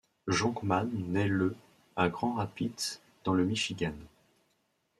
Jonkman naît le à Grand Rapids dans le Michigan.